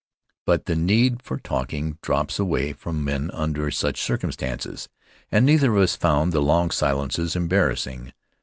But the need for talking drops away from men under such circumstances and neither of us found the long silences embarrassing.